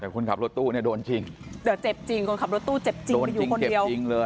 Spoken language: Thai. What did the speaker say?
คนขับรถตู้โดนจริงเจ็บจริงคนขับรถตู้เจ็บจริงไปอยู่คนเดียว